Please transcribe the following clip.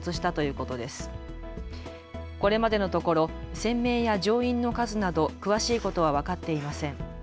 これまでのところ船名や乗員の数など詳しいことは分かっていません。